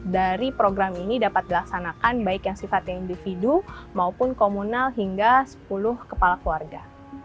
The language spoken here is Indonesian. dari program ini dapat dilaksanakan baik yang sifatnya individu maupun komunal hingga sepuluh kepala keluarga